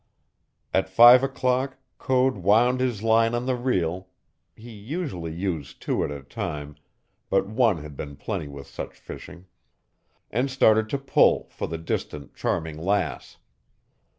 At five o'clock Code wound his line on the reel (he usually used two at a time, but one had been plenty with such fishing), and started to pull for the distant Charming Lass.